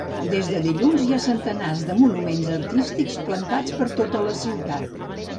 Des de dilluns hi ha centenars de monuments artístics ‘plantats’ per tota la ciutat.